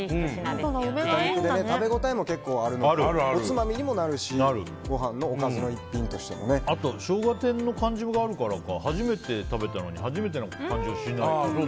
食べ応えも結構あるのでおつまみにもなるしご飯のおかずの一品としてもね。あとショウガ天の感じがあるからか初めて食べたのに初めての感じがしない。